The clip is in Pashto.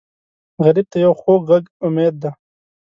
غریب ته یو خوږ غږ امید دی